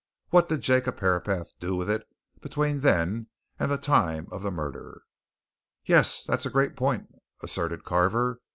What did Jacob Herapath do with it between then and the time of the murder?" "Yes that's a great point," asserted Carver.